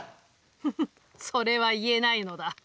フフそれは言えないのだ。